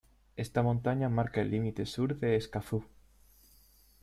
Esta montaña marca el límite sur de Escazú.